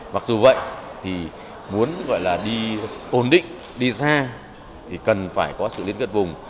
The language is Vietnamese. mặc dù vậy thì muốn gọi là đi ổn định đi xa thì cần phải có sự liên kết vùng